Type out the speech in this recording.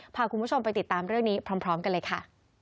พาคุณผู้ชมไปติดตามเรื่องนี้พร้อมกันเลยค่ะ